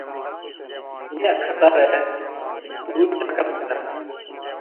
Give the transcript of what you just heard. ᱤᱧᱟᱜ ᱠᱷᱟᱛᱟ ᱨᱮ ᱛᱩᱨᱩᱭ ᱴᱟᱠᱟ ᱢᱮᱱᱟᱜᱼᱟ᱾